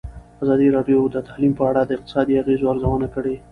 ازادي راډیو د تعلیم په اړه د اقتصادي اغېزو ارزونه کړې.